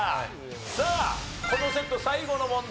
さあこのセット最後の問題。